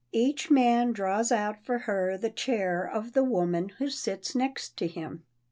Each man draws out for her the chair of the woman who sits next him.